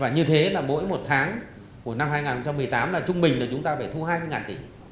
như thế là mỗi một tháng của năm hai nghìn một mươi tám là trung bình là chúng ta phải thu hai mươi tỷ